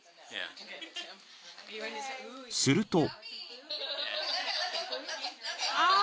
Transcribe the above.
［すると］